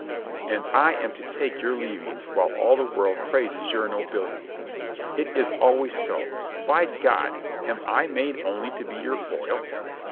And I am to take your leavings while all the world praises your nobility. It is al ways so. By God, am I made only to be your foil?"